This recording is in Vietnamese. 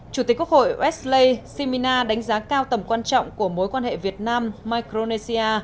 chủ tịch quốc hội wesley simina đánh giá cao tầm quan trọng của mối quan hệ việt nam micronesia